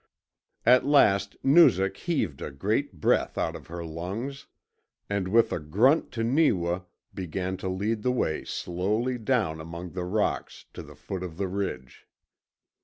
At last Noozak heaved a great breath out of her lungs and with a grunt to Neewa began to lead the way slowly down among the rocks to the foot of the ridge.